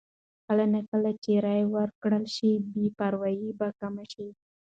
کله نا کله چې رایه ورکړل شي، بې باوري به کمه شي.